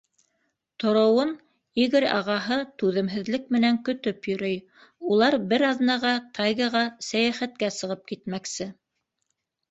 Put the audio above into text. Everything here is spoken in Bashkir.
Тороуын Игорь ағаһы түҙемһеҙлек менән көтөп йөрөй: улар бер аҙнаға тайгаға сәйәхәткә сығып китмәксе.